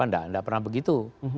tidak pernah begitu